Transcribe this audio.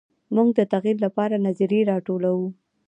موږ د تغیر لپاره نظریې راټولوو.